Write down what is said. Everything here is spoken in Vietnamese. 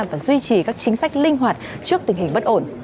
và duy trì các chính sách linh hoạt trước tình hình bất ổn